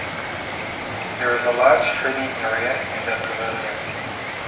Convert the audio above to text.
There is a large training area and a pavilion.